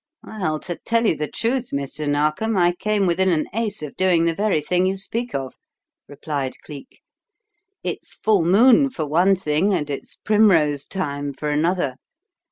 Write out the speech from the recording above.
"Well, to tell you the truth, Mr. Narkom, I came within an ace of doing the very thing you speak of," replied Cleek. "It's full moon, for one thing, and it's primrose time for another.